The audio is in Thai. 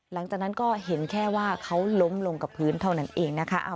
หลังจากนั้นก็เห็นแค่ว่าเขาล้มลงกับพื้นเท่านั้นเองนะคะ